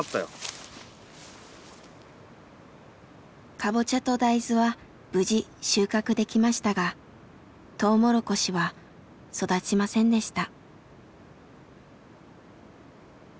カボチャと大豆は無事収穫できましたがトウモロコシは育ちませんでした。